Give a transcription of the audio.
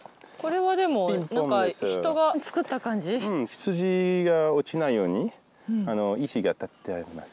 羊が落ちないように石が立ってあります。